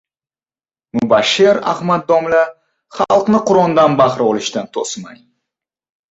Mubashshir Ahmad domla: "Xalqni Qur’ondan bahra olishdan to‘smang!"